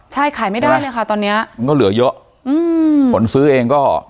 ใช่ขายไม่ได้เลยค่ะตอนเนี้ยมันก็เหลือเยอะอืมคนซื้อเองก็